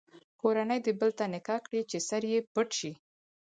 کورنۍ دې بل ته نکاح کړي چې سر یې پټ شي.